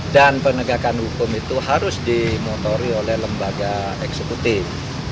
dan penegakan hukum itu harus dimotori oleh lembaga eksekutif